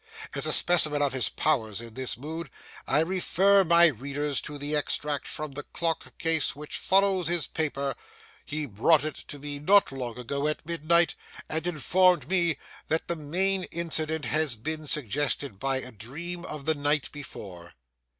As a specimen of his powers in this mood, I refer my readers to the extract from the clock case which follows this paper: he brought it to me not long ago at midnight, and informed me that the main incident had been suggested by a dream of the night before.